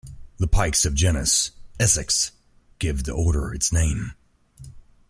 The pikes of genus "Esox" give the order its name.